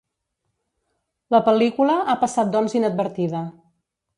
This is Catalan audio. La pel·lícula ha passat doncs inadvertida.